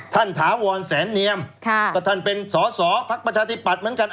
ถาวรแสนเนียมก็ท่านเป็นสอสอพักประชาธิปัตย์เหมือนกัน